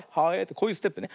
こういうステップね。